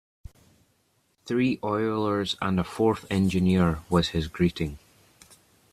Three oilers and a fourth engineer, was his greeting.